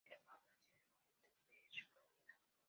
Pierre-Paul nació en Deerfield Beach, Florida.